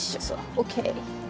ＯＫ。